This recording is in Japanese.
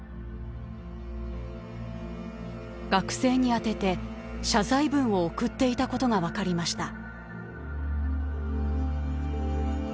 学生に宛てて謝罪文を送っていたことがわかりました。